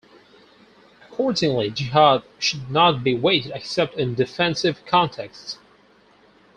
Accordingly, jihad should not be waged except in defensive contexts.